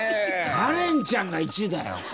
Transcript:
カレンちゃんが１だよ。